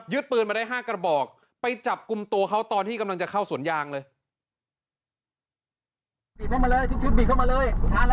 ปืนมาได้๕กระบอกไปจับกลุ่มตัวเขาตอนที่กำลังจะเข้าสวนยางเลย